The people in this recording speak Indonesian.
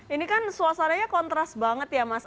ini kan suasananya kontras banget ya mas